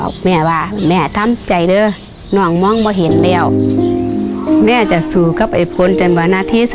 ทำลาบและส้มตำภายในเวลา๓นาที